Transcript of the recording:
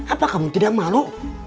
apa kamu tidak malu